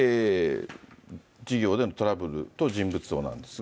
事業でのトラブルと人物像なんですが。